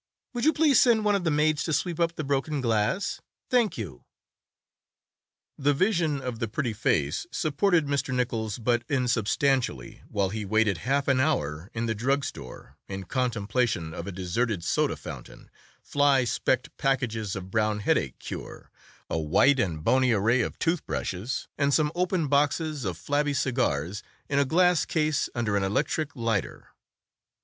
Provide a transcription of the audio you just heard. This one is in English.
Would you please send one of the maids to sweep up the broken glass? Thank you." The vision of the pretty face supported Mr. Nichols but insubstantially while he waited half an hour in the drug store in contemplation of a deserted soda fountain, fly specked packages of brown headache cure, a white and bony array of tooth brushes, and some open boxes of flabby cigars in a glass case under an electric lighter.